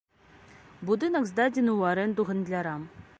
Будынак здадзены ў арэнду гандлярам.